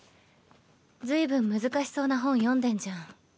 随分難しそうな本読んでんじゃん。